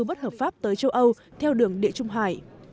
bất hợp pháp tới châu âu theo đường địa trung hải